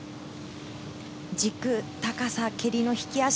軸、高さ、蹴りの引き足。